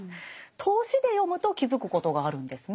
通しで読むと気付くことがあるんですね。